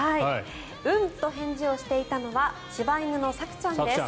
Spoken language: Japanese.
うんと返事をしていたのは柴犬のさくちゃんです。